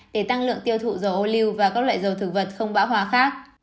để tăng lượng tiêu thụ dầu ô lưu và các loại dầu thực vật không bão hòa khác